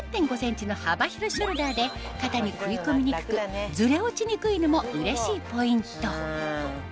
３．５ｃｍの幅広ショルダーで肩に食い込みにくくずれ落ちにくいのもうれしいポイント